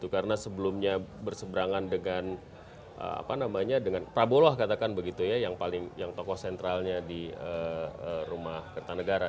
karena sebelumnya berseberangan dengan prabowo yang tokoh sentralnya di rumah kertanegara